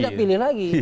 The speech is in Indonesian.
tidak pilih lagi